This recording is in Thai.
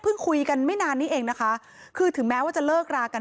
คุยกันไม่นานนี้เองนะคะคือถึงแม้ว่าจะเลิกรากัน